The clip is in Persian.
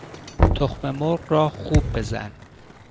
تخم مرغ را خوب بزن